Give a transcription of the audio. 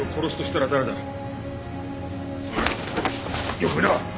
よく見ろ！